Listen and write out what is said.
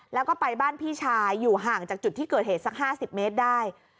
แล้วก็ไปบ้านพี่ชายอยู่ห่างจากจุดที่เกิดเหตุสัก๕๐เมตรได้